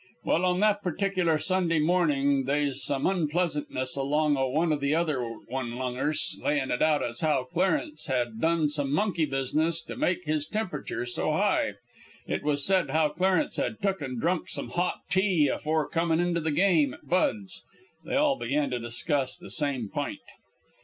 "Well, on that particular Sunday morning they's some unpleasantness along o' one o' the other one lungers layin' it out as how Clarence had done some monkey business to make his tempriture so high. It was said as how Clarence had took and drunk some hot tea afore comin' into the game at Bud's. They all began to discuss that same p'int.